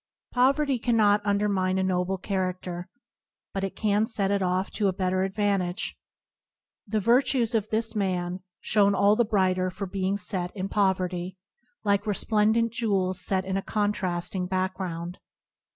Poverty cannot undermine a noble chara&er, but it can set it off to better advantage. The virtues of Yen hwui shone all the brighter for being set in poverty, like resplendent jewels set in a contrasting back ground.